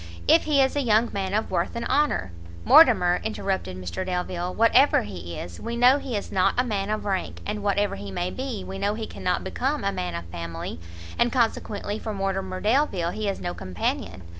if he is a young man of worth and honour " "Mortimer," interrupted Mr Delvile, "whatever he is, we know he is not a man of rank, and whatever he may be, we know he cannot become a man of family, and consequently for Mortimer Delvile he is no companion.